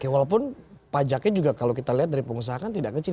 walaupun pajaknya juga kalau kita lihat dari pengusaha kan tidak kecil